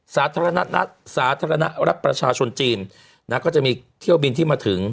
สาธารณะรักประชาชนจีนก็จะมีเที่ยวบินที่มาถึง